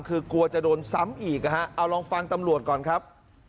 คือกลัวจะโดนซ้ำอีกนะฮะเอาลองฟังตำรวจก่อนครับ